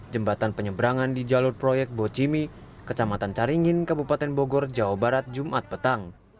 jembatan penyeberangan di jalur proyek bocimi kecamatan caringin kabupaten bogor jawa barat jumat petang